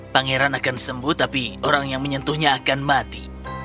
pangeran akan sembuh tapi orang yang menyentuhnya akan mati